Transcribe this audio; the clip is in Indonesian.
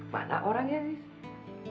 mana orangnya teis